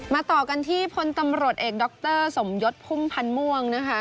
ต่อกันที่พลตำรวจเอกดรสมยศพุ่มพันธ์ม่วงนะคะ